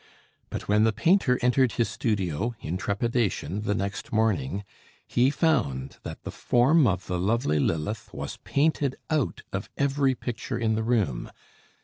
But when the painter entered his studio in trepidation the next morning, he found that the form of the lovely Lilith was painted out of every picture in the room.